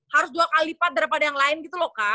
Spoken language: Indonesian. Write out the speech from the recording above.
harus dua kali lipat daripada yang lain gitu loh kak